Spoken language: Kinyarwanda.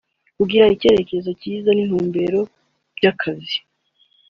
kugira icyerekezo cyiza n’intumbero by’akazi